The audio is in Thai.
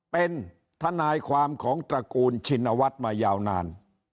เป็นทนายความของตระกูลชินวัฒน์มายาวนาน